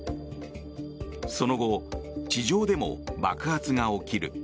その後、地上でも爆発が起きる。